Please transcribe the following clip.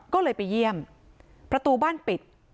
ก็เลยไปเยี่ยมประตูบ้านปิด